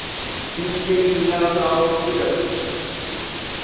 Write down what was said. Incêndio nas alturas